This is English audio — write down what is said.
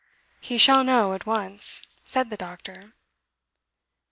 'He shall know at once,' said the doctor.